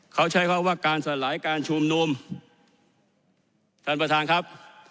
เขาใช้คำว่าการสลายการชุมนุมท่านประธานครับ